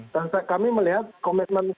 dan kami melihat komitmen sosial sangat baik